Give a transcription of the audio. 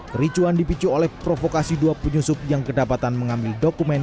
kericuan dipicu oleh provokasi dua penyusup yang kedapatan mengambil dokumen